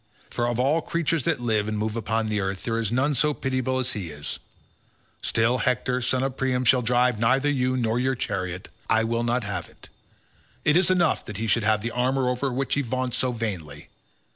for of all creatures that live and move upon the earth there is none so pitiable as he is—still, Hector son of Priam shall drive neither you nor your chariot. I will not have it. It is enough that he should have the armour over which he vaunts so vainly.